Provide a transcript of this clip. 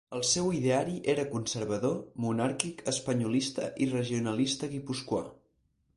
El seu ideari era conservador, monàrquic, espanyolista i regionalista guipuscoà.